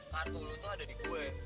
kartu lu tuh ada di gue